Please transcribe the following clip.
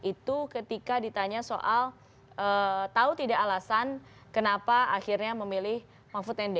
itu ketika ditanya soal tahu tidak alasan kenapa akhirnya memilih mahfud md